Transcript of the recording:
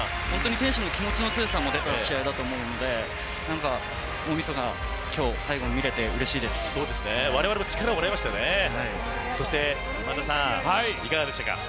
天心の気持ちの強さも出た試合だと思うので大みそか、今日最後に見れて我々も力をもらいましたね。